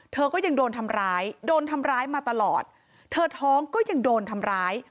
เธอก็ยังโดนทำร้ายโดนทำร้ายมาตลอดเธอท้องก็ยังโดนทำร้าย